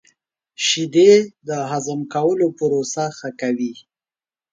• شیدې د هضم کولو پروسه ښه کوي.